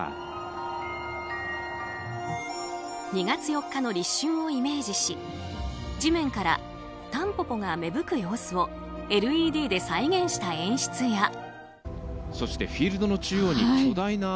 ２月４日の立春をイメージし地面からタンポポが芽吹く様子をＬＥＤで再現した演出や。